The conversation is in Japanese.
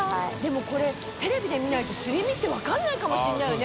もこれテレビで見ないとすり身って鵑覆いしれないよね？